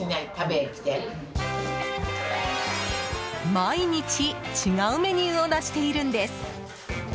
毎日違うメニューを出しているんです。